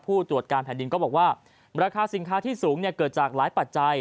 ผู้ตรวจการแผ่นดินก็บอกว่าราคาสินค้าที่สูงเกิดจากหลายปัจจัย